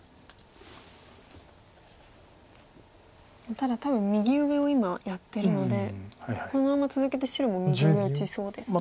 ただ多分右上を今やってるのでこのまま続けて白も右上打ちそうですか。